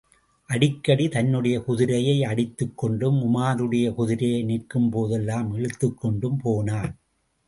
அடிக்கடி தன்னுடைய குதிரையை அடித்துக்கொண்டும் உமாருடைய குதிரையை நிற்கும்போதெல்லாம் இழுத்துக்கொண்டும் போனான்.